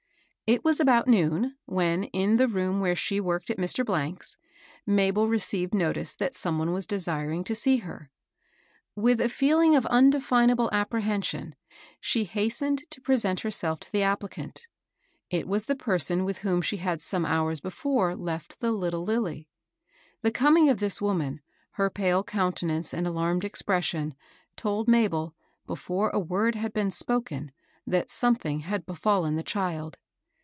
It was about noon, when, in the room where she worked at Mr. — 's, Mabel received notice that some one was desiring to see her. With a feeling of undefinable apprehension, she hastened to present herself to the applicant. It was the (U) LITTLE LILLY. 75 person with whom she had some hours before left the little Lilly. The coming of this woman, her pale counte nance and alarmed expression, told Mabel, before a word had been spoken, that something had be fallen the child.